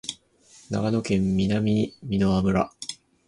長野県南箕輪村